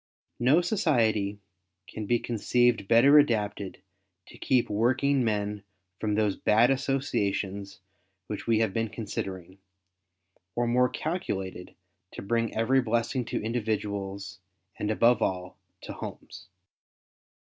No society can be conceived better adapted to keep working men from those bad associations which we have been considering, or more calculated to bring every blessing to individuals, and above all to homes.